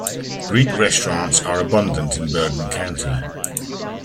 Greek restaurants are abundant in Bergen County.